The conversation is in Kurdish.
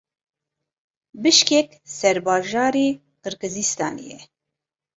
Bişkek serbajarê Qirgizistanê ye.